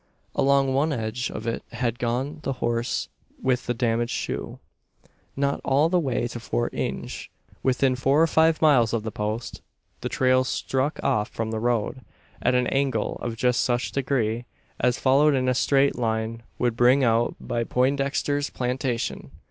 Along one edge of it had gone the horse with the damaged shoe. Not all the way to Fort Inge. When within four or five miles of the post, the trail struck off from the road, at an angle of just such degree as followed in a straight line would bring out by Poindexter's plantation.